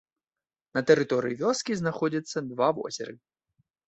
На тэрыторыі вёскі знаходзяцца два возеры.